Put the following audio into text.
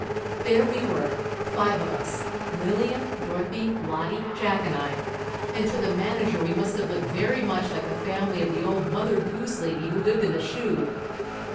There we were, five of us—Lillian, Dorothy, Lottie, Jack and I—and to the manager we must have looked very much like the family of the old Mother Goose lady who lived in the shoe.